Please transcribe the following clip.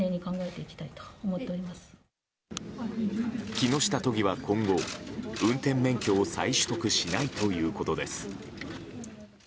木下都議は今後運転免許を再取得しないということです。